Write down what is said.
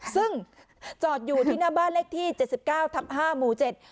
ซึ่งจอดอยู่ที่หน้าบ้านเลขที่เจ็ดสิบเก้าทับห้าหมู่เจ็ด